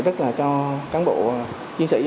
rất là cho cán bộ chiến sĩ